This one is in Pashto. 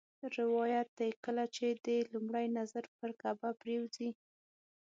روایت دی کله چې دې لومړی نظر پر کعبه پرېوځي.